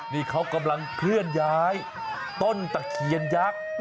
นี่เขากำลังเคลื่อนย้ายต้นตะเคียนยักษ์